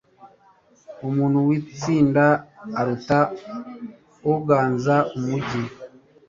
umuntu witsinda aruta uganza umugi